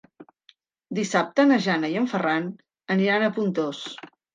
Dissabte na Jana i en Ferran aniran a Pontós.